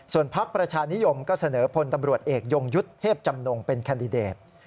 พักประชานิยมก็เสนอพลตำรวจเอกยงยุทธ์เทพจำนงเป็นแคนดิเดต